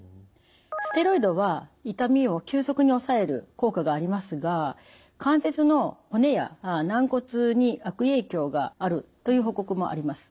ステロイドは痛みを急速におさえる効果がありますが関節の骨や軟骨に悪影響があるという報告もあります。